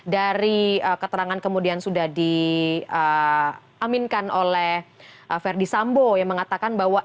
dari keterangan kemudian sudah diaminkan oleh verdi sambo yang mengatakan bahwa